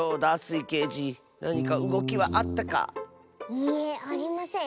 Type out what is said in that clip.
いいえありません。